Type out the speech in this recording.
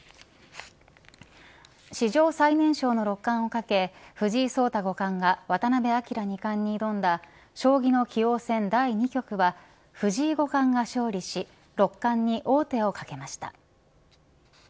史上最年少の六冠をかけ藤井聡太五冠が渡辺明二冠に挑んだ将棋の棋王戦第２局は藤井五冠が勝利し六冠に王手をかけました。